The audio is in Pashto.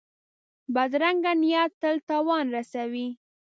بدرنګه نیت تل تاوان رسوي